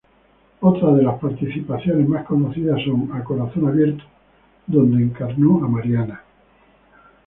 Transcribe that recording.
Otras de sus participaciones más conocidas son: "A corazón abierto" donde encarnó a Mariana.